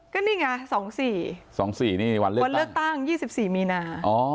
ก็นี่ไง๒๔วันเลือกตั้ง๒๔มีนา